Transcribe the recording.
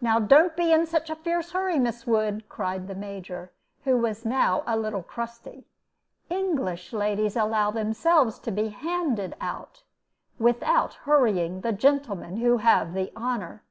"Now don't be in such a fierce hurry, Miss Wood," cried the Major, who was now a little crusty; "English ladies allow themselves to be handed out, without hurrying the gentlemen who have the honor."